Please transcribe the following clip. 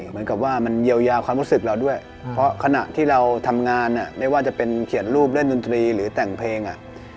เหมือนกับว่ามันเยียวยาความรู้สึกเราด้วยเพราะขณะที่เราทำงานไม่ว่าจะเป็นเขียนรูปเล่นดนตรีหรือแต่งเพลง